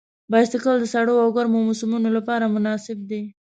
بایسکل د سړو او ګرمو موسمونو لپاره مناسب دی.